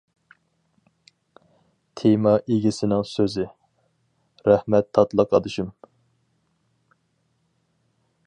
تېما ئىگىسىنىڭ سۆزى : رەھمەت تاتلىق ئادىشىم!